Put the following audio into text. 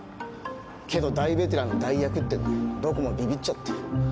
けど大ベテランの代役ってんでどこもビビっちゃって。